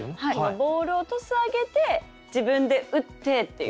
ボールをトス上げて自分で打ってっていう。